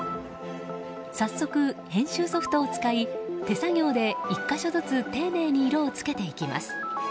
早速、編集ソフトを使い手作業で１か所ずつ丁寧に色を付けていきます。